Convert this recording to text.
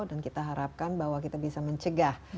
dan kita harapkan bahwa kita bisa mencegah